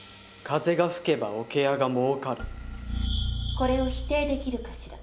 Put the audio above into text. これを否定できるかしら。